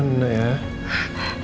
pelan pelan udah ya